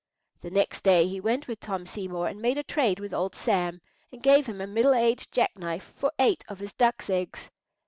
The next day he went with Tom Seymour and made a trade with old Sam, and gave him a middle aged jack knife for eight of his ducks' eggs.